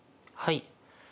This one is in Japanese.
はい。